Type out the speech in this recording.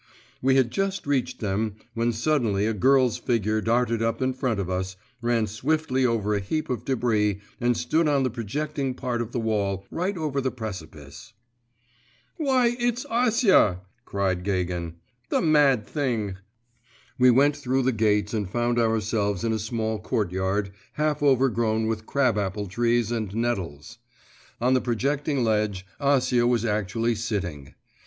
We had just reached them, when suddenly a girl's figure darted up in front of us, ran swiftly over a heap of debris, and stood on the projecting part of the wall, right over the precipice. 'Why, it's Acia!' cried Gagin; 'the mad thing.' We went through the gates and found ourselves in a small courtyard, half overgrown with crab apple trees and nettles. On the projecting ledge, Acia actually was sitting.